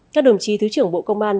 các đồng chí thứ trưởng bộ công an